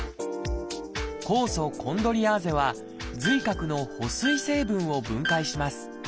酵素コンドリアーゼは髄核の保水成分を分解します。